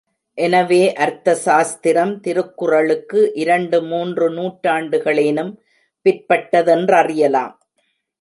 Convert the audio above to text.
எனவே அர்த்தசாஸ்திரம் திருக்குறளுக்கு இரண்டு மூன்று நூற்றாண்டுகளேனும் பிற்பட்டதென்றறியலாம்.